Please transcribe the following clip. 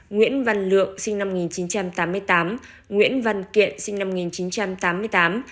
nguyễn văn lượng sinh năm một nghìn chín trăm tám mươi tám nguyễn văn kiện sinh năm một nghìn chín trăm tám mươi tám